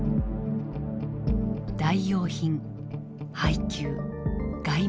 代用品配給外米。